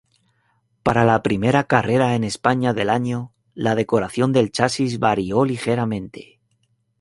Para la primera carrera en España del año, la decoración del chasis varió ligeramente.